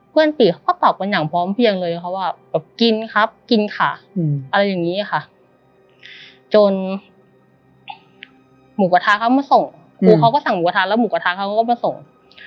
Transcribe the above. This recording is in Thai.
ปีเขาก็ตอบกันอย่างพร้อมเพียงเลยเขาว่าแบบกินครับกินค่ะอะไรอย่างนี้ค่ะจนหมูกระทะเขามาส่งครูเขาก็สั่งหมูกระทะแล้วหมูกระทะเขาก็มาส่ง